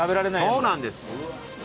そうなんです。